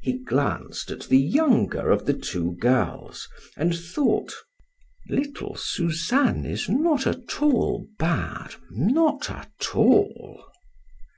He glanced at the younger of the two girls and thought: "Little Suzanne is not at all bad, not at all."